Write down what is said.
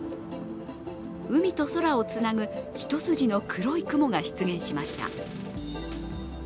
海と空をつなぐ一筋の黒い雲が出現しました。